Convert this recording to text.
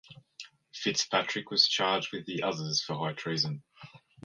FitzPatrick was charged with the others for high treason.